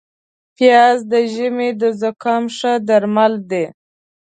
پیاز د ژمي د زکام ښه درمل دي